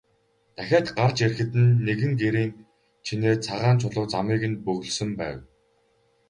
Дахиад гарч ирэхэд нь нэгэн гэрийн чинээ цагаан чулуу замыг нь бөглөсөн байв.